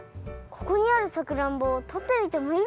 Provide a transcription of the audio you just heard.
ここにあるさくらんぼとってみてもいいですか？